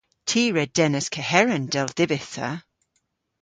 Ty re dennas keheren, dell dybydh ta.